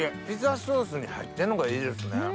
ピザソースに入ってんのがいいですね。